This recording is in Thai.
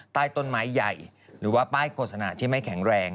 ใต้ต้นไม้ใหญ่หรือว่าป้ายโฆษณาที่ไม่แข็งแรง